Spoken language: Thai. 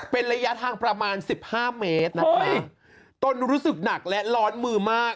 เป็นระยะทางประมาณสิบห้าเมตรนะคะตนรู้สึกหนักและร้อนมือมาก